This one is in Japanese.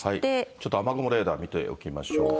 ちょっと雨雲レーダー見ておきましょうか。